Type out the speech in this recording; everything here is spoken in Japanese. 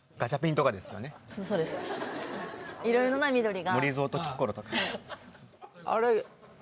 いろいろな緑があれ？